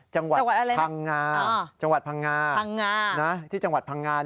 จังหวัดอะไรนะพางงาจังหวัดพางงานะที่จังหวัดพางงา